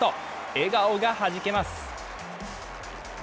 笑顔がはじけます。